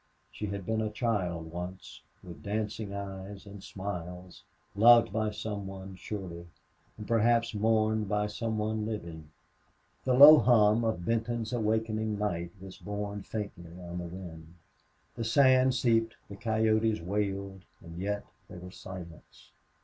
She had been a child once, with dancing eyes and smiles, loved by some one, surely, and perhaps mourned by some one living. The low hum of Benton's awakening night life was borne faintly on the wind. The sand seeped; the coyotes wailed; and yet there was silence.